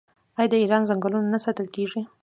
آیا د ایران ځنګلونه نه ساتل کیږي؟